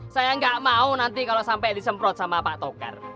saya nggak mau nanti kalau sampai disemprot sama pak tokar